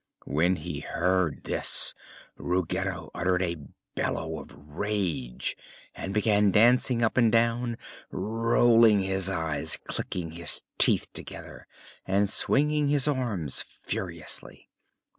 When he heard this Ruggedo uttered a bellow of rage and began dancing up and down, rolling his eyes, clicking his teeth together and swinging his arms furiously.